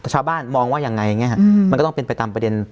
ชาวบ้านมองว่าอย่างไงมันก็ต้องเป็นไปตามประเด็นพวกนี้ไป